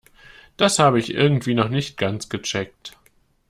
Das habe ich irgendwie noch nicht ganz gecheckt.